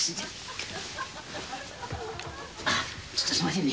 ちょっとすいませんね。